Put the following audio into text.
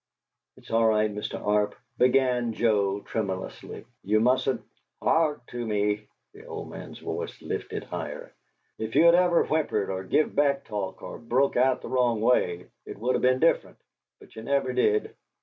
"It's all right, Mr. Arp," began Joe, tremulously. "You mustn't " "Hark to me" the old man's voice lifted higher: "If you'd ever whimpered, or give back talk, or broke out the wrong way, it would of been different. But you never did.